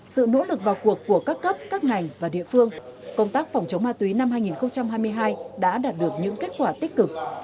sự nỗ lực vào cuộc của các cấp các ngành và địa phương công tác phòng chống ma túy năm hai nghìn hai mươi hai đã đạt được những kết quả tích cực